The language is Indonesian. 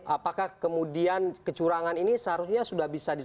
apakah kemudian kecurangan ini seharusnya sudah bisa